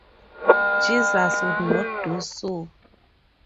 Jesus would not do so.